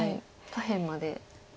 下辺まで。